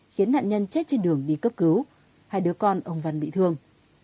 khiến nạn nhân chết trên đường đi cấp cứu hai đứa con ông văn bị thương